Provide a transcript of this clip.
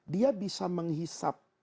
dia bisa menghisap